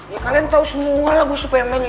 ya kalian tau semua lah gue siapa punya meli